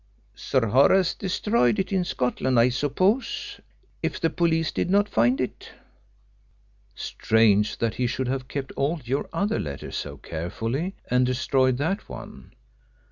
"Sir Horace destroyed it in Scotland, I suppose, if the police did not find it." "Strange that he should have kept all your other letters so carefully and destroyed that one.